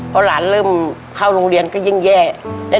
พอหลานเริ่มเข้าโรงเรียนก็ยิ่งแย่